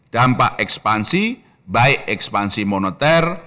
dampak ekspansi baik ekspansi moneter